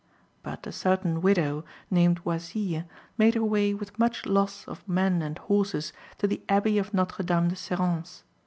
But a certain widow, named Oisille, made her way with much loss of men and horses to the Abbey of Notre Dame de Serrance.